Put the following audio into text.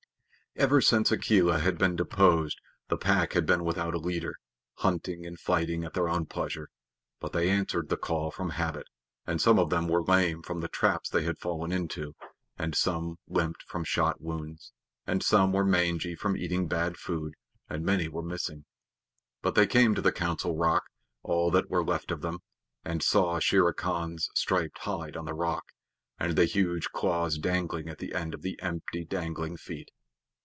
Ever since Akela had been deposed, the Pack had been without a leader, hunting and fighting at their own pleasure. But they answered the call from habit; and some of them were lame from the traps they had fallen into, and some limped from shot wounds, and some were mangy from eating bad food, and many were missing. But they came to the Council Rock, all that were left of them, and saw Shere Khan's striped hide on the rock, and the huge claws dangling at the end of the empty dangling feet.